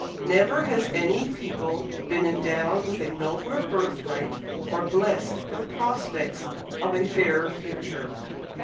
Never has any people been endowed with a nobler birthright or blessed with prospects of a fairer future.